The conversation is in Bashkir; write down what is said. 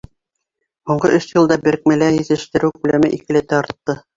Һуңғы өс йылда берекмәлә етештереү күләме икеләтә артты.